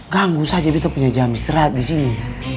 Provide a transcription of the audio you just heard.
ganggu saja betta punya jamis terat di sini